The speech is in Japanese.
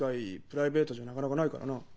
プライベートじゃなかなかないからな。